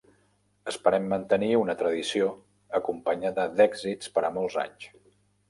Esperen mantenir una tradició acompanyada d'èxits per a molts anys.